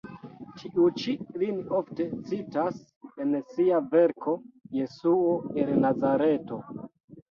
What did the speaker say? Tiu ĉi lin ofte citas en sia verko Jesuo el Nazareto.